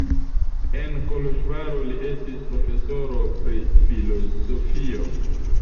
En Koloĵvaro li estis profesoro pri filozofio.